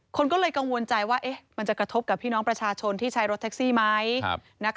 คนก็เลยกังวลใจว่ามันจะกระทบกับพี่น้องประชาชนที่ใช้รถแท็กซี่ไหม